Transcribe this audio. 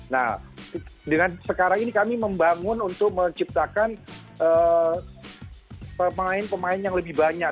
nah dengan sekarang ini kami membangun untuk menciptakan pemain pemain yang lebih banyak